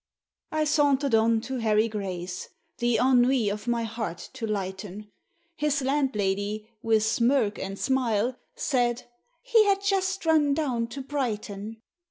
I sauntered on to Harry Gray's, The ennui of my heart to lighten; His landlady, with, smirk and smile, Said, "he had just run down to Brighton."